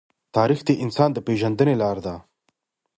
تاریخ د انسان د پېژندنې لار دی.